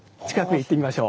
行ってみましょう。